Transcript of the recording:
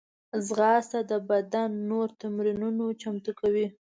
ځغاسته د بدن نور تمرینونه چمتو کوي